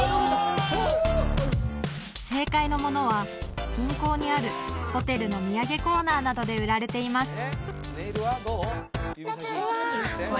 正解のものは近郊にあるホテルの土産コーナーなどで売られています